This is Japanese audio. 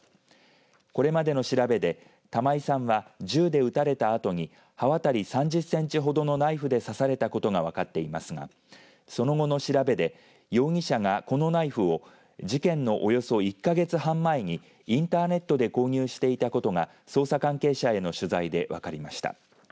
これまでの調べで、玉井さんは銃で撃たれたあとに刃渡り３０センチほどのナイフで刺されたことが分かっていますがその後の調べで、容疑者がこのナイフを、事件のおよそ１か月半前にインターネットで購入していたことが捜査関係者への取材で分かりました。